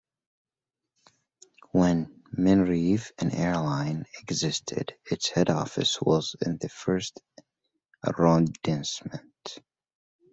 When Minerve, an airline, existed, its head office was in the first arrondissement.